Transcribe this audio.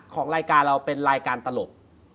ของรายการเราเป็นรายการตลก